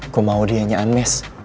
gua mau di anya anmes